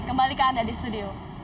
kembali ke anda di studio